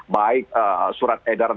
baik surat edaran